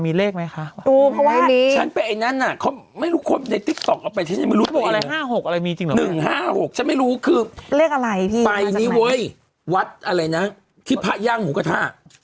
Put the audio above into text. นี่คนถามแล้วแม่เขาบอกว่าแม่มทดำไปเชียงใหม่มามีเลขมั้ยคะ